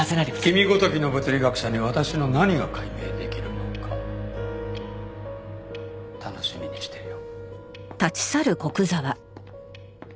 君ごときの物理学者に私の何が解明できるのか楽しみにしてるよ。